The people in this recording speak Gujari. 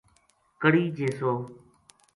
کڑی جیسو